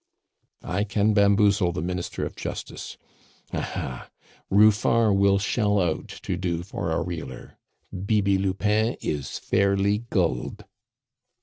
"I can bamboozle the Minister of Justice. Ah, ha! Ruffard will shell out to do for a reeler. Bibi Lupin is fairly gulled!"